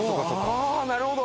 あなるほど。